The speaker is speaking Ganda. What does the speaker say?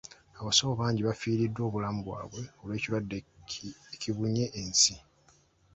Abasawo bangi bafiiriddwa obulamu bwabwe olw'ekirwadde ekibunye ensi.